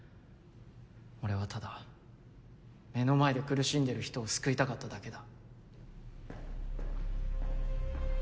俺はただ目の前で苦しんでる人を救いたかっただけだ。